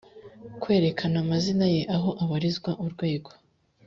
kwerekana amazina ye aho abarizwa urwego